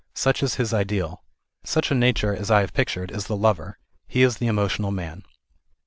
Such is his ideal. Such a nature as I have pictured, is the lover ; he i┬Ż the emotional man.